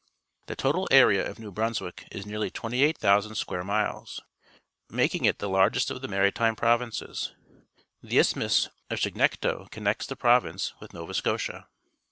The total area of New Brunswick is nearly 28,000 square miles, making it the largest of the Maritime Prov inces. The Isthmus of Chignecto connects the province with Nova Scotia.